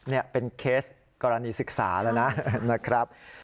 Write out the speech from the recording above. นี่เป็นเคสกรณีศึกษาแล้วนะครับ